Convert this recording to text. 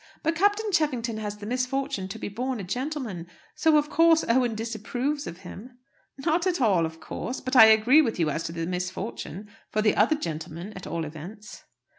"But Captain Cheffington has the misfortune to be born a gentleman, so, of course, Owen disapproves of him." "Not at all, 'of course.' But I agree with you as to the misfortune for the other gentlemen, at all events!"